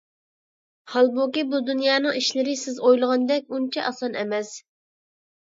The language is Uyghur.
ھالبۇكى، بۇ دۇنيانىڭ ئىشلىرى سىز ئويلىغاندەك ئۇنچە ئاسان ئەمەس.